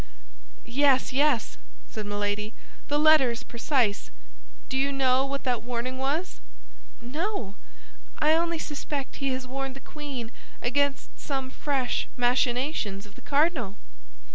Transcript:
"Yes, yes," said Milady; "the letter is precise. Do you know what that warning was?" "No, I only suspect he has warned the queen against some fresh machinations of the cardinal."